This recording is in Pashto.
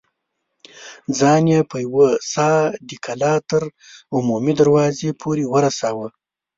ځان يې په يوه سا د کلا تر عمومي دروازې پورې ورساوه.